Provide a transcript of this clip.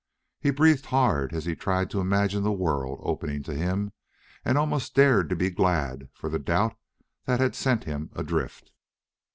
He breathed hard as he tried to imagine the world opening to him, and almost dared to be glad for the doubt that had sent him adrift.